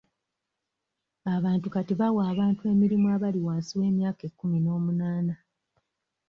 Abantu kati bawa abantu emirimu abali wansi w'emyaka kkumi na munaana